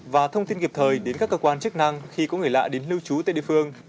và thông tin kịp thời đến các cơ quan chức năng khi có người lạ đến lưu trú tại địa phương